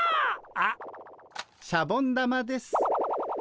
シャボン玉です。